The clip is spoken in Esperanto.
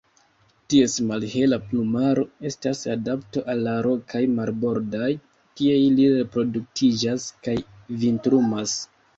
Ties malhela plumaro estas adapto al la rokaj marbordaj kie ili reproduktiĝas kaj vintrumas.